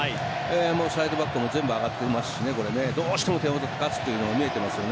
サイドバックも全部上がってますしね、これどうしても点を取って勝つというのが見えてますよね。